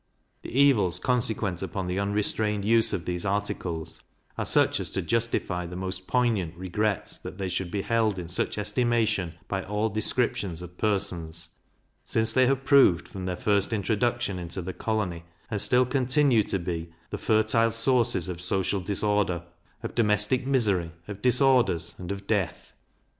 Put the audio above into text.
The evils consequent upon the unrestrained use of these articles, are such as to justify the most poignant regrets that they should be held in such estimation by all descriptions of persons, since they have proved from their first introduction into the colony, and still continue to be, the fertile sources of social disorder, of domestic misery, of disorders, and of death.